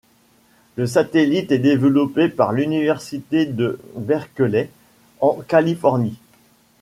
Le satellite est développé par l'Université de Berkeley en Californie.